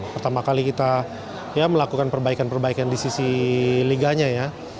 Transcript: pertama kali kita melakukan perbaikan perbaikan di sisi liganya ya